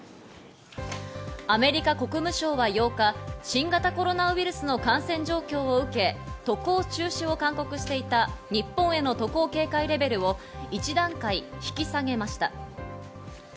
アメリカ国務省は８日、新型コロナウイルスの感染状況を受け、渡航中止を勧告していた日本への渡航警戒レベルを１段階、引き下げました。